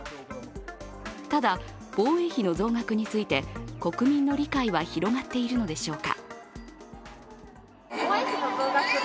ただ、防衛費の増額について国民の理解は広がっているのでしょうか。